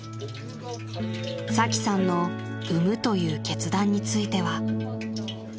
［サキさんの産むという決断については］